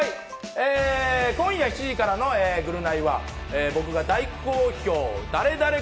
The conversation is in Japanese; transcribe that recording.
今夜７時からの『ぐるナイ』は僕が大好評、ダレダレ？